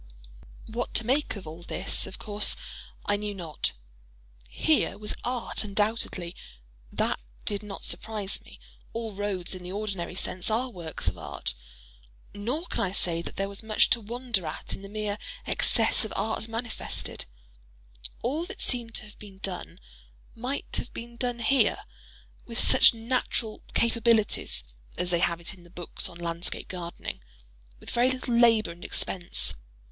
What to make of all this, of course I knew not. Here was art undoubtedly—that did not surprise me—all roads, in the ordinary sense, are works of art; nor can I say that there was much to wonder at in the mere excess of art manifested; all that seemed to have been done, might have been done here—with such natural "capabilities" (as they have it in the books on Landscape Gardening)—with very little labor and expense.